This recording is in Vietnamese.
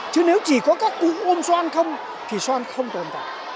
chứ nếu chỉ có các cụ ôm xoan không thì xoan không tồn tạo